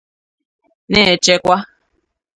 na-echekwa